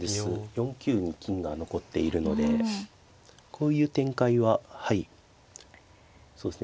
４九に金が残っているのでこういう展開はそうですね